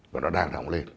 và nó đang nóng lên